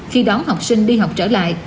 khi đóng học sinh đi học trở lại